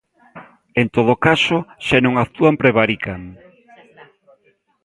En todo caso, se non actúan prevarican.